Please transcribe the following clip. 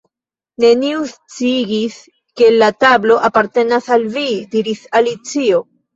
"Neniu sciigis ke la tablo apartenas al vi " diris Alicio.